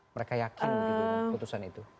mereka yakin keputusan itu